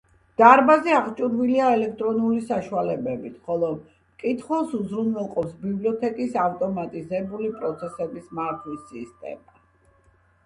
დარბაზი აღჭურვილია ელექტრონული საშუალებებით, ხოლო მკითხველს უზრუნველყოფს ბიბლიოთეკის ავტომატიზებული პროცესების მართვის სისტემა.